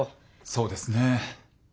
そうですね。